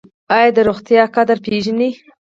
ایا د روغتیا قدر پیژنئ؟